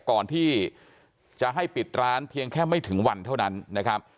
ก่อนที่จะให้ปิดร้านเพียงแค่ไม่ถึงวันเท่านั้นนะครับ